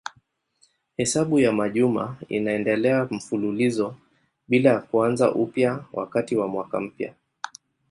Hesabu ya majuma inaendelea mfululizo bila ya kuanza upya wakati wa mwaka mpya.